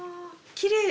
きれい。